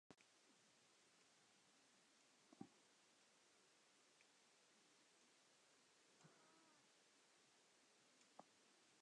Sen ajattelun johdosta vaiettiin hetkinen.